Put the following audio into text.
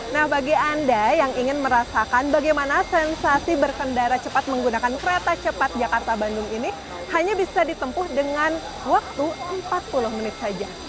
nah bagi anda yang ingin merasakan bagaimana sensasi berkendara cepat menggunakan kereta cepat jakarta bandung ini hanya bisa ditempuh dengan waktu empat puluh menit saja